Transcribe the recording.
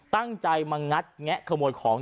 ตั้งใจมางัดแงะขโมยของ